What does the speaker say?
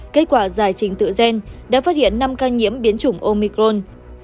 kết quả giải trình tự gen đã phát hiện năm ca nhiễm biến chủng omicron